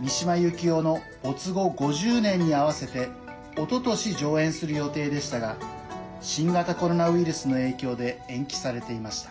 三島由紀夫の没後５０年に合わせておととし上演する予定でしたが新型コロナウイルスの影響で延期されていました。